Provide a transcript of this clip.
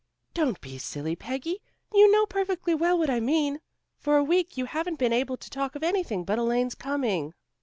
"Don't be silly, Peggy. You know perfectly well what I mean. For a week you haven't been able to talk of anything but Elaine's coming."